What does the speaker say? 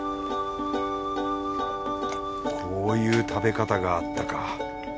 こういう食べ方があったか。